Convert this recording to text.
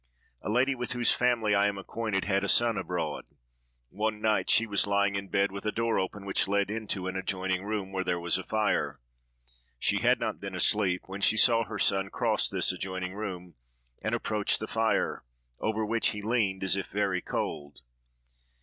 A lady, with whose family I am acquainted, had a son abroad. One night she was lying in bed, with a door open which led into an adjoining room, where there was a fire. She had not been asleep, when she saw her son cross this adjoining room and approach the fire, over which he leaned, as if very cold.